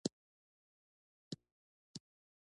انجلۍ ټپي وه او کورنۍ يې پسې وه